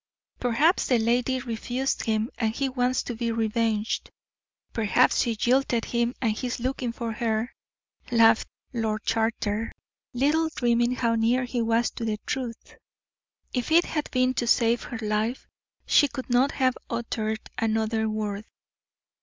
"Perhaps the lady refused him, and he wants to be revenged. Perhaps she jilted him, and he is looking for her," laughed Lord Charter, little dreaming how near he was to the truth. If it had been to save her life, she could not have uttered another word.